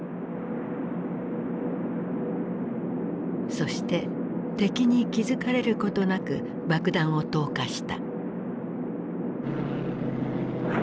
そして敵に気付かれることなく爆弾を投下した。